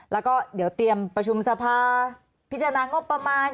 แล้วก็เดี๋ยวเตรียมประชุมสภาพิจารณางบประมาณ